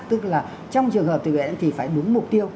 tức là trong trường hợp từ thiện thì phải đúng mục tiêu